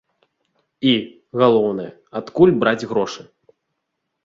І, галоўнае, адкуль браць грошы?